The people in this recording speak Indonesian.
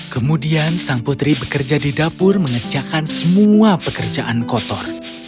kemudian sang putri bekerja di dapur mengerjakan semua pekerjaan kotor